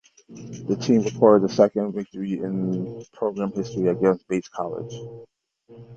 The team recorded the second victory in program history against Bates College.